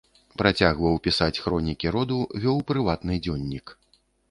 Працягваў пісаць хроніку роду, вёў прыватны дзённік.